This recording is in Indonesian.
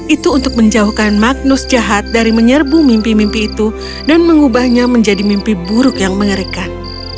itu untuk menjauhkan magnus jahat dari menyerbu mimpi mimpi itu dan mengubahnya menjadi mimpi buruk yang mengerikan